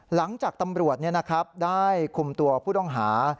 หลังจากตำรวจได้คุมตัวผู้ต้องหา